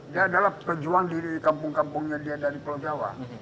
dia adalah pejuang di kampung kampungnya dia dari pulau jawa